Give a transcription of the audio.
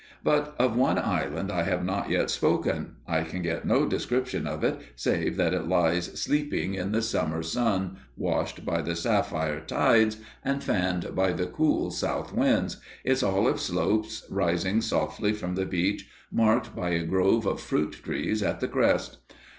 But of one island I have not yet spoken. I can get no description of it save that it lies sleeping in the summer sun, washed by the sapphire tides and fanned by the cool south winds, its olive slopes rising softly from the beach, marked by a grove of fruit trees at the crest.